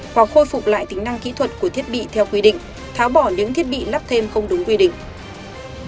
hoặc khôi phục lại tính năng kỹ thuật của thiết bị theo quy định tháo bỏ những thiết bị lắp thêm không đúng quy định